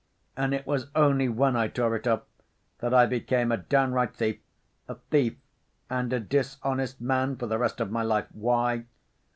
And it was only when I tore it off that I became a downright thief, a thief and a dishonest man for the rest of my life. Why?